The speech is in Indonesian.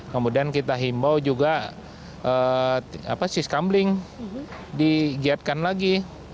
kemudian kita himbau juga siskambling digiatkan lagi